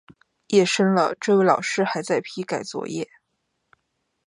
夜深了，这位老师还在批改作业